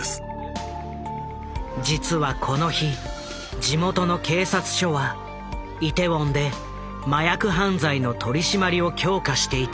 実はこの日地元の警察署はイテウォンで麻薬犯罪の取締りを強化していた。